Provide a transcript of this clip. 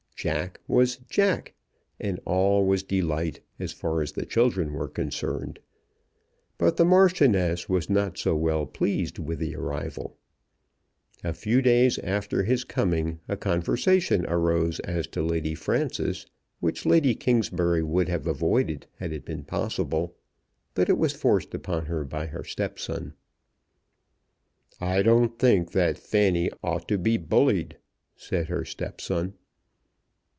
Jack was Jack, and all was delight, as far as the children were concerned; but the Marchioness was not so well pleased with the arrival. A few days after his coming a conversation arose as to Lady Frances which Lady Kingsbury would have avoided had it been possible, but it was forced upon her by her stepson. "I don't think that Fanny ought to be bullied," said her stepson.